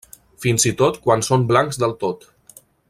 Fins i tot quan són blancs del tot.